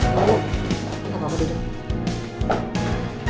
mau bawa padahal